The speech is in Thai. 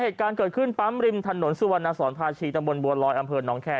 เหตุการณ์เกิดขึ้นปั๊มริมถนนสุวรรณสอนภาชีจังบนบวนรอยอำเภิญหนองแค